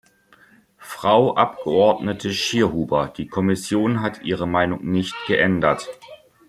Frau Abgeordnete Schierhuber, die Kommission hat ihre Meinung nicht geändert.